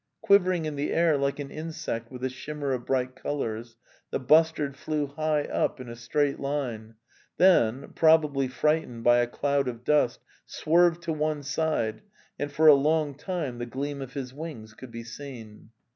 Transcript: . Quivering in the air like an insect with a shimmer of bright colours, the bustard flew high up in a straight line, then, probably frightened by a cloud of dust, swerved to one side, and for a long time the gleam of his wings could be seen.